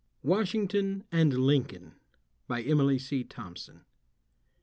WASHINGTON AND LINCOLN. EMILY C. THOMPSON.